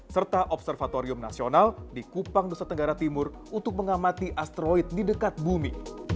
serta observatorium nasional di kupang nusa tenggara timur untuk mengamati asteroid di dekat bumi